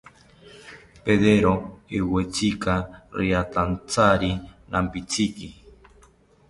Pedero iwetzika riatantyari nampitziki